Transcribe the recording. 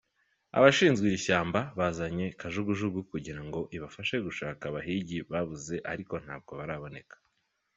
Abashinzwe iri shyamba bazanye kajugujugu kugira ngo ibafashe gushaka abahigi babuze ariko ntabwo baraboneka.